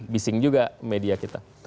bising juga media kita